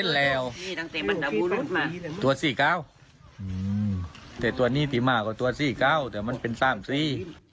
แต่ตัวนี้ก็ต่อสี่โก้แต่มันเป็นสามสี